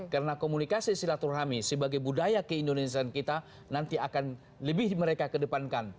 karena komunikasi silaturahmi sebagai budaya keindonesian kita nanti akan lebih mereka kedepankan